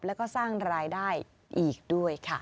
แล้วก็สร้างรายได้อีกด้วยค่ะ